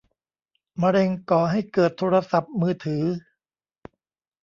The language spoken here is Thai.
มะเร็งก่อให้เกิดโทรศัพท์มือถือ ?